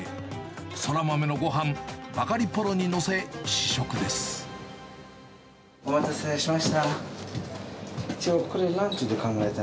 そら豆のごはん、バガリポロに載お待たせしました。